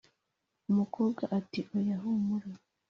Umukobwa ati"oya humura